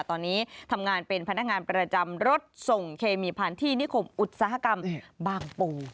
ตอนนี้ทำงานเป็นพนักงานประจำรถส่งเคมีพันธุ์ที่นิคมอุตสาหกรรมบางปู